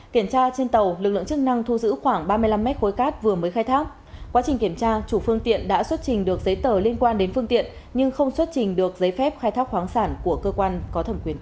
kiểm tra trên tàu lực lượng chức năng thu giữ khoảng ba mươi năm mét khối cát vừa mới khai thác